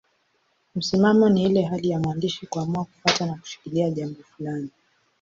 Msimamo ni ile hali ya mwandishi kuamua kufuata na kushikilia jambo fulani.